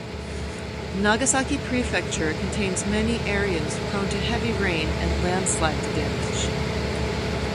Nagasaki Prefecture contains many areas prone to heavy rain and landslide damage.